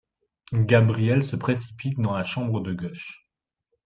Gabriel se précipite dans la chambre de gauche.